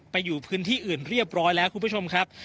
ไปอยู่พื้นที่อื่นเรียบร้อยแล้วคุณผู้ชมครับ